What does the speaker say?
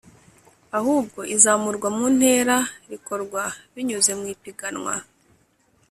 ahubwo izamurwa mu ntera rikorwa binyuze mu ipiganwa